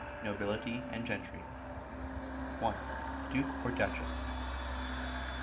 Nobility and Gentry. i. _Duke or Duchess. Sup.